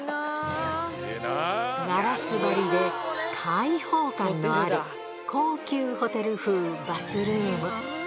ガラス張りで、開放感のある高級ホテル風バスルーム。